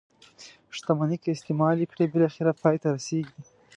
شتمني که استعمال یې کړئ بالاخره پای ته رسيږي.